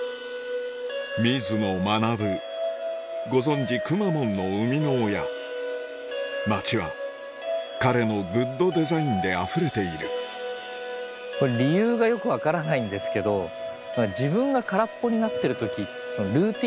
水野学ご存じくまモンの生みの親街は彼のグッドデザインであふれているこれ理由がよく分からないんですけど自分が空っぽになってる時。